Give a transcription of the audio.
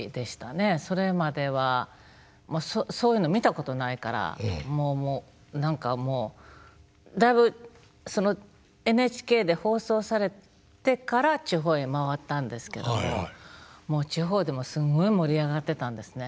それまではそういうの見たことないからもう何かもうだいぶＮＨＫで放送されてから地方へ回ったんですけどももう地方でもすんごい盛り上がってたんですね。